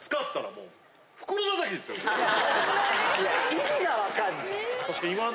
意味が分かんない。